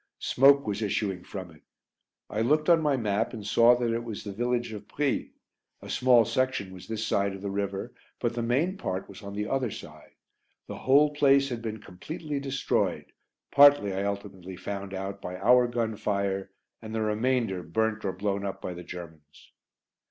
Smoke was issuing from it. I looked on my map and saw that it was the village of Brie; a small section was this side of the river, but the main part was on the other side. The whole place had been completely destroyed, partly, I ultimately found out, by our gun fire, and the remainder burnt or blown up by the Germans.